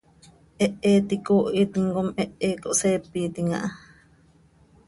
Hehe iti icoohitim com hehe cohseepitim aha.